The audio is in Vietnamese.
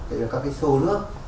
thì có cái xô nước